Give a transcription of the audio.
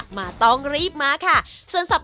วันนี้ขอบคุณครับ